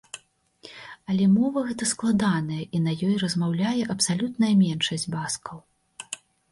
Але мова гэта складаная, і на ёй размаўляе абсалютная меншасць баскаў.